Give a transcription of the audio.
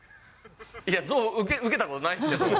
いや、象受けたことないですけど。